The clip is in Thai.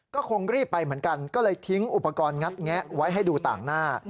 ก็คงรีบไปเหมือนกันก็เลยทิ้งอุปกรณ์งัดแงะไว้ให้ดูต่างหน้า